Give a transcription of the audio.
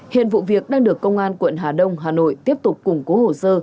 hiện vụ việc đang được công an quận hà đông hà nội tiếp tục củng cố hồ sơ